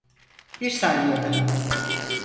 Bir saniye daha.